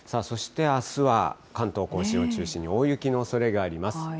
そしてあすは関東甲信を中心に大雪のおそれがあります。